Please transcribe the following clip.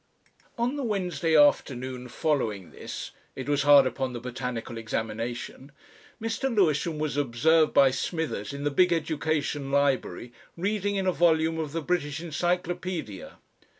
On the Wednesday afternoon following this it was hard upon the botanical examination Mr. Lewisham was observed by Smithers in the big Education Library reading in a volume of the British Encyclopaedia.